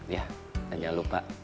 ya dan jangan lupa